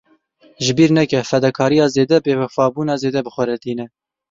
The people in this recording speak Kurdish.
Ji bîr neke; fedekariya zêde, bêwefabûna zêde bi xwe re tîne.